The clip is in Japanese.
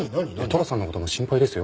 寅さんの事も心配ですよ。